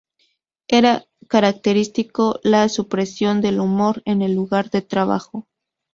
Era característico la supresión del humor en el lugar de trabajo.